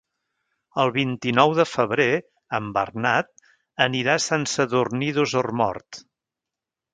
El vint-i-nou de febrer en Bernat anirà a Sant Sadurní d'Osormort.